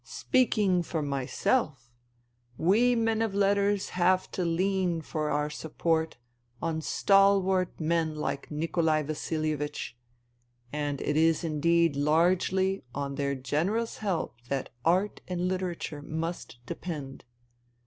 Speaking INTERVENING IN SIBERIA 189 for myself, we men of letters have to lean for our support on stalwart men like Nikolai Vasilievich, and it is indeed largely on their generous help that art and literature must depend.